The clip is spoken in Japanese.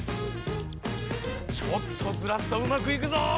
ちょっとズラすとうまくいくぞ。